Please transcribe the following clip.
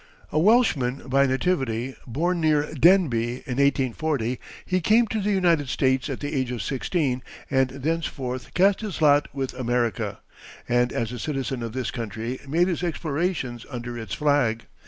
A Welshman by nativity, born near Denbigh, in 1840, he came to the United States at the age of sixteen and thenceforth cast his lot with America, and as a citizen of this country made his explorations under its flag.